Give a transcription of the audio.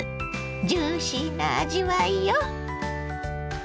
ジューシーな味わいよ。